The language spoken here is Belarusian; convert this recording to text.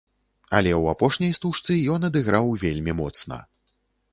Але ў апошняй стужцы ён адыграў вельмі моцна.